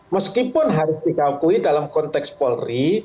meskipun harus dikakui dalam konteks polri